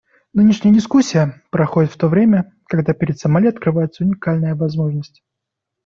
Нынешняя дискуссия проходит в то время, когда перед Сомали открывается уникальная возможность.